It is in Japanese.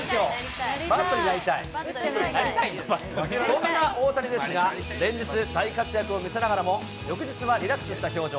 そんな大谷ですが、連日、大活躍を見せながらも、翌日はリラックスした表情。